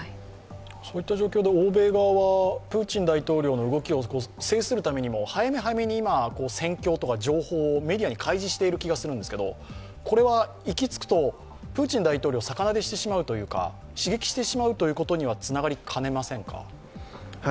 そういった状況で欧米側はプーチン大統領の動きを制するためにも、早め早めに戦況とか状況をメディアに開示しているような気がしているんですけどこれは行き着くと、プーチン大統領を逆なでしてしまうというか、刺激してしまうということにはつながりかねませんか？